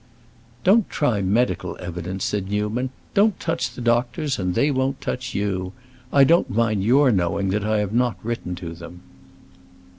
"Don't try medical evidence," said Newman. "Don't touch the doctors and they won't touch you. I don't mind your knowing that I have not written to them."